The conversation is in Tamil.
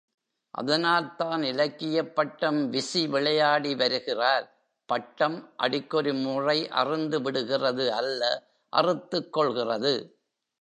அதனால்தான், இலக்கியப்பட்டம் விசி விளையாடிவருகிறார், பட்டம் அடிக்கொரு முறை அறுந்து விடுகிறது அல்ல, அறுத்துக் கொள்கிறது.